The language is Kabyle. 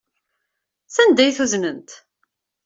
Sanda ay t-uznent?